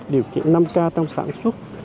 điều kiện năm k trong sản xuất